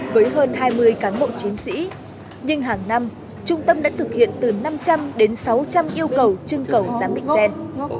với hơn hai mươi cán bộ chiến sĩ nhưng hàng năm trung tâm đã thực hiện từ năm trăm linh đến sáu trăm linh yêu cầu trưng cầu giám định gen